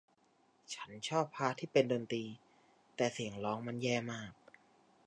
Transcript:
ฉันชอบพาร์ทที่เป็นดนตรีแต่เสียงร้องมันแย่มาก